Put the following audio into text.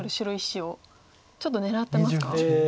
１子をちょっと狙ってますか？